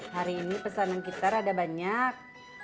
hari ini pesanan kita rada banyak